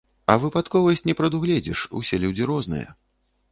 А выпадковасць не прадугледзіш, усе людзі розныя.